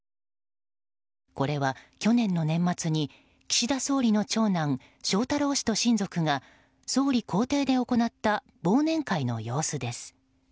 これは、去年の年末に岸田総理の長男翔太郎氏と親族が総理公邸で行った忘年会の様子です。